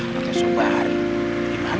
ya lo kesempatan